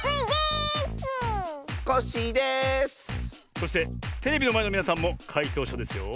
そしてテレビのまえのみなさんもかいとうしゃですよ。